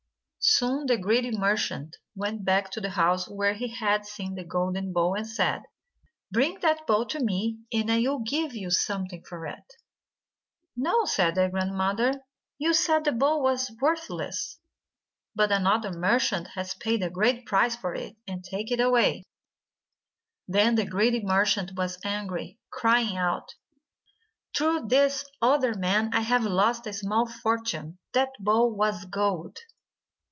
Soon the greedy merchant went back to the house where he had seen the golden bowl, and said: "Bring that bowl to me, and I will give you something for it." "No," said the grandmother. "You said the bowl was worthless, but another merchant has paid a great price for it, and taken it away." 16 THE MERCHANT OF SERI "It is a golden bowl." Then the greedy merchant was angry, crying out, "Through this other man I have lost a small fortune. That bowl was of gold."